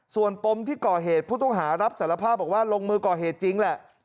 ส่วนปมที่ก่อเหตุผู้ต้องหารับสารภาพบอกว่าลงมือก่อเหตุจริงแหละ